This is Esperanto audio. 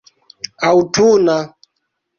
aŭtuna